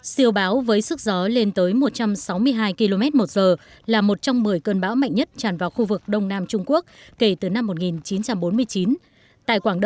siêu báo với sức gió lên tới một trăm sáu mươi hai km một giờ là một trong một mươi cơn bão mạnh nhất tràn vào khu vực đông nam trung quốc kể từ năm một nghìn chín trăm bốn mươi chín